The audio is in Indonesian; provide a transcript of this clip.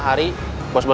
mungkin ada jalan keluar